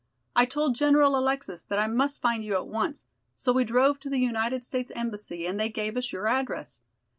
"I told General Alexis that I must find you at once, so we drove to the United States Embassy and they gave us your address.